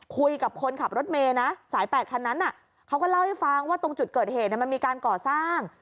คุยกับคนขับรถเมย์นะสาย๘คันนั้นเขาก็เล่าให้ฟังว่าตรงจุดเกิดเหตุมันมีการก่อสร้าง